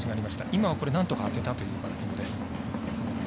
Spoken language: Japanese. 今はなんとか当てたというバッティング。